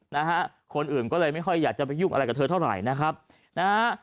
นะฮะคนอื่นก็เลยไม่ค่อยอยากจะไปยุ่งอะไรกับเธอเท่าไหร่นะครับนะฮะ